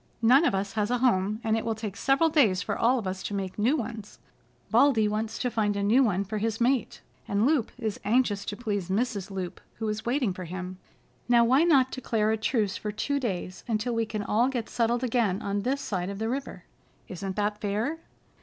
"None of us has a home, and it will take several days for all of us to make new ones. Baldy wants to find a new one for his mate, and Loup is anxious to please Mrs. Loup, who is waiting for him. Now why not declare a truce for two days until we can all get settled again on this side of the river? Isn't that fair?"